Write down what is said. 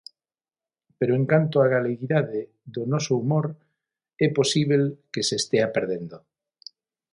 Pero en canto á galeguidade do noso humor, é posíbel que se estea perdendo.